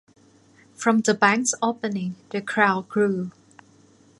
From the bank's opening, the crowd grew.